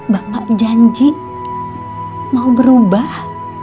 bapak janji mau berubah